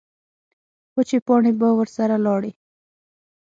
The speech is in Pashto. وچې پاڼې به ورسره لاړې.